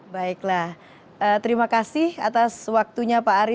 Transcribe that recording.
baiklah terima kasih atas waktunya pak ari